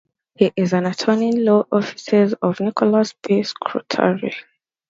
He is an attorney, Law Offices of Nicholas P. Scutari.